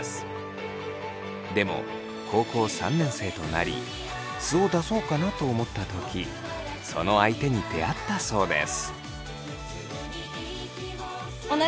でも高校３年生となり素を出そうかなと思った時その相手に出会ったそうです。